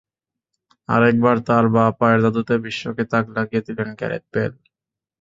আরেকবার তাঁর বাঁ পায়ের জাদুতে বিশ্বকে তাক লাগিয়ে দিলেন গ্যারেথ বেল।